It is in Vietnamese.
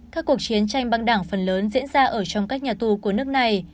các cuộc chiến tranh băng đảng phần lớn diễn ra ở trong các nhà tù của nước này